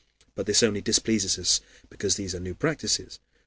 But this only displeases us because these are new practices.